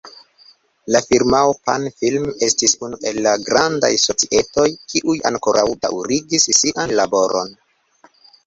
La firmao Pan-Film estis unu el la grandaj societoj, kiuj ankoraŭ daŭrigis sian laboron.